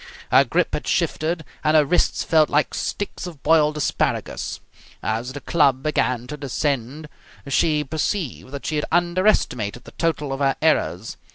Her grip had shifted, and her wrists felt like sticks of boiled asparagus. As the club began to descend she perceived that she had underestimated the total of her errors.